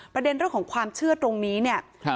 ประเด็นเรื่องของความเชื่อตรงนี้เนี่ย